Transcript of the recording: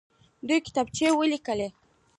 دوې کتابچې ولیکئ.